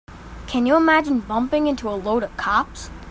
Can you imagine bumping into a load of cops?